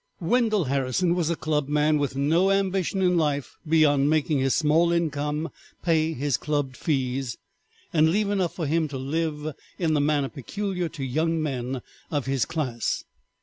I. Wendell Harrison was a club man with no ambition in life beyond making his small income pay his club fees, and leave enough for him to live in the manner peculiar to young men of his class.